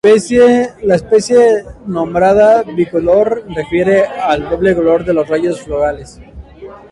La especie nombrada, "bicolor", refiere al doble color de los rayos florales.